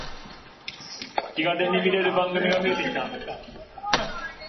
気軽に見れる番組が増えてきた